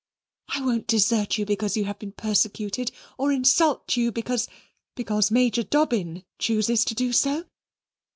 I won't desert you because you have been persecuted, or insult you because because Major Dobbin chooses to do so.